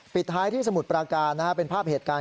ปิดท้ายที่สมุทรปราการเป็นภาพเหตุการณ์